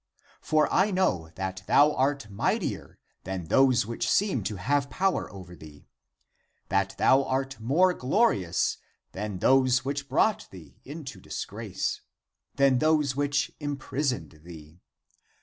For I know that thou art mightier than those which seem to ACTS OF ANDREW 207 have power over thee; that thou art more glorious than those which brought thee into disgrace; than those which imprisoned thee.